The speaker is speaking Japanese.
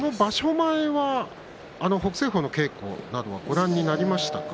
前は北青鵬の稽古をご覧になりましたか？